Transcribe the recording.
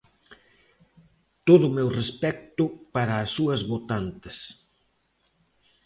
Todo o meu respecto para as súas votantes.